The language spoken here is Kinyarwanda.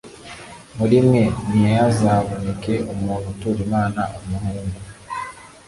muri mwe ntihazaboneke umuntu utura imana umuhungu.